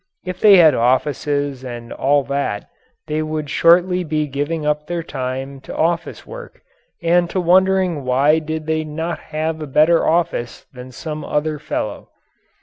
If they had offices and all that, they would shortly be giving up their time to office work and to wondering why did they not have a better office than some other fellow.